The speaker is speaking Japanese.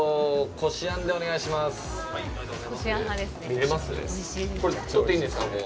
これ撮っていいんですか、ここ。